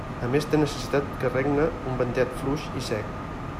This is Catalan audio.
A més té necessitat que regne un ventet fluix i sec.